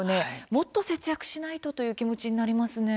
もっと節約をしないとという気持ちになりますね。